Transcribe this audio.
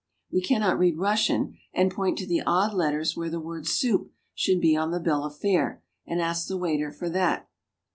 We cannot read Russian, and point to the odd letters where the word soup should be on the bill of fare, and ask the waiter for that.